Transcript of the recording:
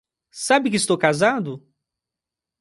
Sabe que estou casado?